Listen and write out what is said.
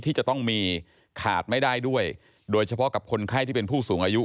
ที่จะต้องมีขาดไม่ได้ด้วยโดยเฉพาะกับคนไข้ที่เป็นผู้สูงอายุ